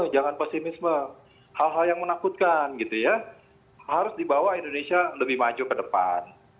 jangan pesimisme hal hal yang menakutkan gitu ya harus dibawa indonesia lebih maju ke depan